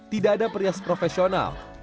tidak ada perias profesional